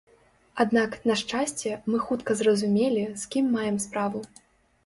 Аднак, на шчасце, мы хутка зразумелі, з кім маем справу.